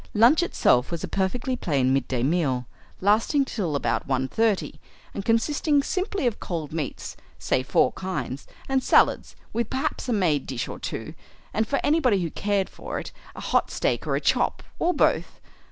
Lunch itself was a perfectly plain midday meal, lasting till about 1.30, and consisting simply of cold meats (say four kinds) and salads, with perhaps a made dish or two, and, for anybody who cared for it, a hot steak or a chop, or both.